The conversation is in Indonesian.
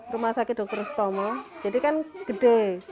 rumah sakit dr stomo jadi kan gede